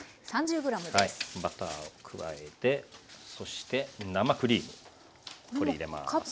バターを加えてそして生クリームこれ入れます。